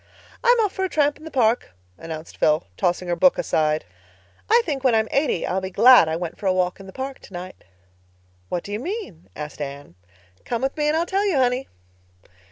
"I'm off for a tramp in the park," announced Phil, tossing her book aside. "I think when I am eighty I'll be glad I went for a walk in the park tonight." "What do you mean?" asked Anne. "Come with me and I'll tell you, honey."